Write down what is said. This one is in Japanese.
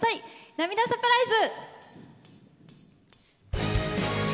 「涙サプライズ！」。